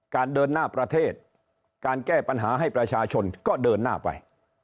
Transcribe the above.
เดินหน้าประเทศการแก้ปัญหาให้ประชาชนก็เดินหน้าไป